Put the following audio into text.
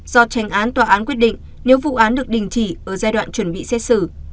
do tranh án tòa án quyết định nếu vụ án được đình chỉ ở giai đoạn chuẩn bị xét xử